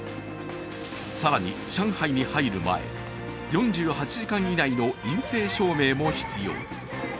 更に、上海に入る前４８時間以内の陰性証明も必要。